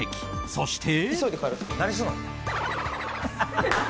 そして。